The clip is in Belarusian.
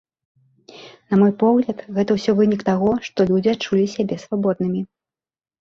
На мой погляд, гэта ўсё вынік таго, што людзі адчулі сябе свабоднымі.